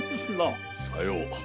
さよう。